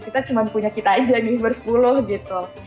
kita cuma punya kita aja nih ber sepuluh gitu